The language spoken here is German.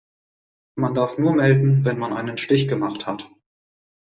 Man darf nur melden, wenn man einen Stich gemacht hat.